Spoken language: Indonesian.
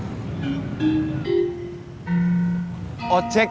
pas hutannya habis itu setengah